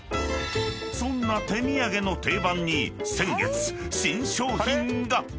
［そんな手土産の定番に先月新商品が！］